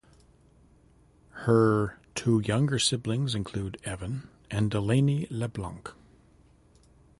Her two younger siblings include Evan and Delaney LeBlanc.